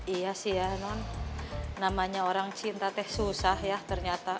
iya sih ya non namanya orang cinta teh susah ya ternyata